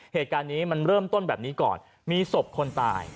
เหตุการณ์นี้มันเริ่มต้นแบบนี้ก่อนมีศพคนตาย